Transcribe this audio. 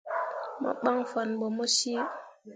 Mo ɓan fanne ɓo mo cii.